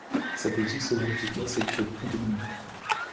Sa politique s'avère efficace et lui fait beaucoup d'ennemis.